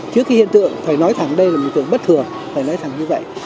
trước cái hiện tượng phải nói thẳng đây là một tượng bất thường phải nói thẳng như vậy